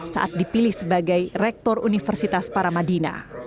saat dipilih sebagai rektor universitas paramadina